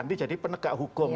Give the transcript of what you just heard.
ganti jadi penegak hukum